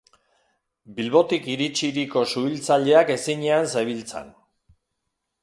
Bilbotik iritsiriko suhiltzaileak ezinean zebiltzan.